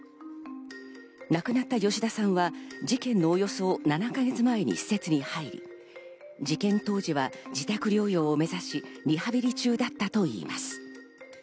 亡くなった吉田さんは事件のおよそ７か月前に施設に入り、事件当時は自宅療養を目指し、リハビリ中だったといいます。